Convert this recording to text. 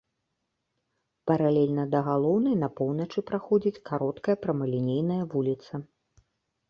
Паралельна да галоўнай на поўначы праходзіць кароткая прамалінейная вуліца.